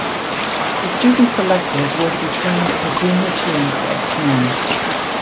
The students selected were to be trained as a junior team of X-Men.